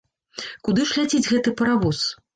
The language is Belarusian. Куды ж ляціць гэты паравоз?